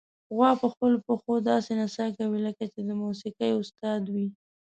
غوا په خپلو پښو داسې نڅا کوي، لکه چې د موسیقۍ استاد وي.